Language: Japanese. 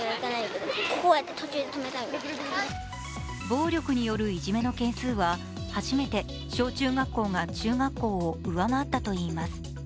暴力によるいじめの件数は初めて小中学校が中学校を上回ったといいます。